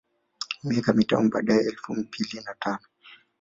Miaka mitano baadae elfu mbili na tano